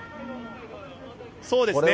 そうですね。